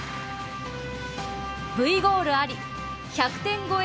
Ｖゴールあり１００点超え